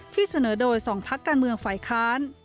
ที่เสนอโดย๒พักการเมืองฝ่ายค้าน